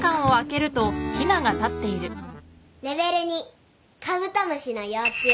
レベル２カブトムシの幼虫。